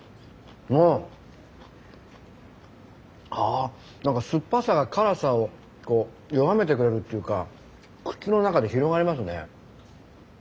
あなんか酸っぱさが辛さを弱めてくれるというか口の中で広がりますね。